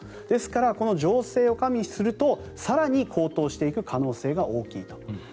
ですから、この情勢を加味すると更に高騰していく可能性が大きいと。